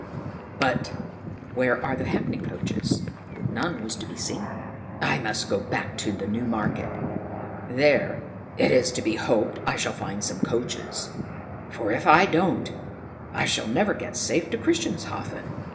But where were the hackney coaches? Not one was to be seen. "I must go back to the New Market; there, it is to be hoped, I shall find some coaches; for if I don't, I shall never get safe to Christianshafen."